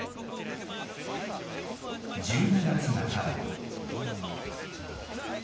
１２月半ば。